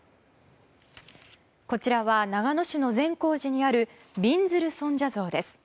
こちらは長野市の善光寺にあるびんずる尊者像です。